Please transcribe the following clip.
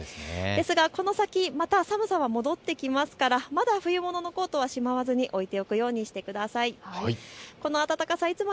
ですがこの先、また寒さは戻ってきますからまだ冬物のコートはしまわずに置いておくようにしてください。